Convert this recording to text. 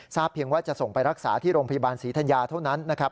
เพียงว่าจะส่งไปรักษาที่โรงพยาบาลศรีธัญญาเท่านั้นนะครับ